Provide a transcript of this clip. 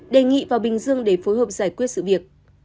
đề nghị vào bình dương để phối hợp giải quyết sự việc